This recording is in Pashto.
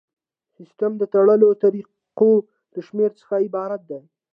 سیسټم د تړلو طریقو له شمیر څخه عبارت دی.